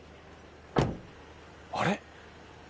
あれ？